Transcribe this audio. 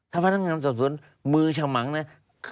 ถ้าพนักงานสอบสวนมือฉมังนะ